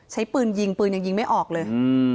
ใช้ปืนยิงปืนยังยิงไม่ออกเลย